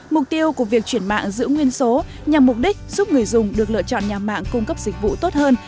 mục tiêu của việc chuyển mạng giữ nguyên số nhằm mục đích giúp người dùng được lựa chọn nhà mạng cung cấp dịch vụ tốt hơn